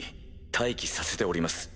待機させております。